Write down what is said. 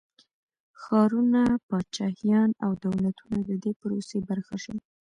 ښارونه، پاچاهيان او دولتونه د دې پروسې برخه شول.